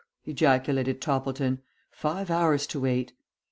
ejaculated Toppleton. "Five hours to wait!"